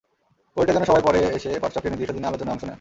বইটা যেন সবাই পড়ে এসে পাঠচক্রের নির্দিষ্ট দিনে আলোচনায় অংশ নেন।